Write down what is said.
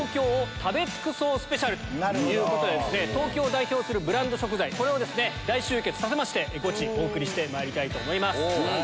東京を代表するブランド食材を大集結させましてゴチお送りしてまいりたいと思います。